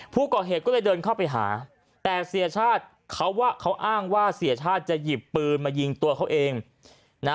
ผู้ก่อเหตุก็เลยเดินเข้าไปหาแต่เสียชาติเขาว่าเขาอ้างว่าเสียชาติจะหยิบปืนมายิงตัวเขาเองนะ